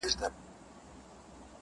زما د نیکه ستا د ابا دا نازولی وطن!